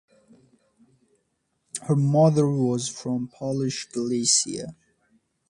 Her mother was from Polish Galicia.